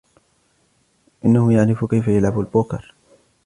إنه يعرف كيف يلعب البوكر.